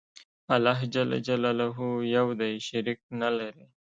الله ج یو دی. شریک نلري.